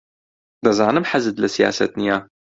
دەزانم حەزت لە سیاسەت نییە.